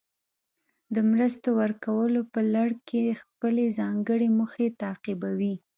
د مرستو ورکولو په لړ کې خپلې ځانګړې موخې تعقیبوي.